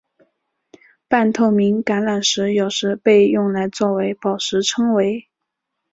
半透明橄榄石有时被用来作为宝石称为。